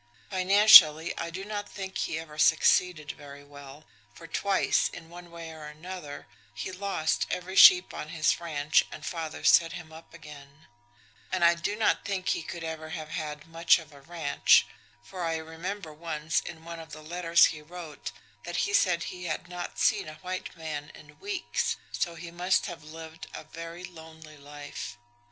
Financially, I do not think he ever succeeded very well, for twice, in one way or another, he lost every sheep on his ranch and father set him up again; and I do not think he could ever have had much of a ranch, for I remember once, in one of the letters he wrote, that he said he had not seen a white man in weeks, so he must have lived a very lonely life.